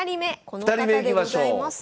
この方でございます。